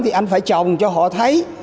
thì anh phải trồng cho họ thấy